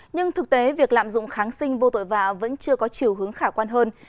nhưng thực tế việc lạm dụng kháng sinh vô tội vạ vẫn chưa có chiều hướng khả quan hơn